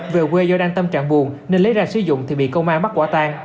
về quê do đang tâm trạng buồn nên lấy ra sử dụng thì bị công an mắc quả tan